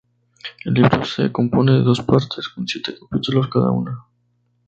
El libro se compone de dos partes, con siete capítulos cada una.